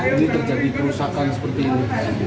ini terjadi kerusakan seperti ini